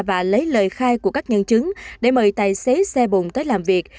và lấy lời khai của các nhân chứng để mời tài xế xe bồn tới làm việc